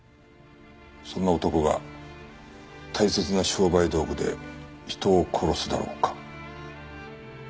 そんな男が大切な商売道具で人を殺すだろうか。